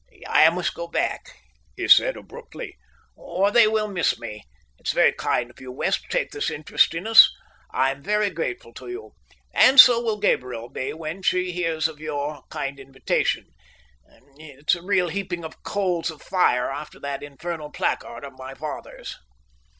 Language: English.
"I must go back," he said abruptly, "or they will miss me. It's very kind of you, West, to take this interest in us. I am very grateful to you, and so will Gabriel be when she hears of your kind invitation. It's a real heaping of coals of fire after that infernal placard of my father's."